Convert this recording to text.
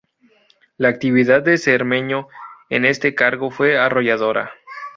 La actividad de Cermeño en este cargo fue arrolladora.